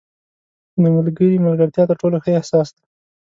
• د ملګري ملګرتیا تر ټولو ښه احساس دی.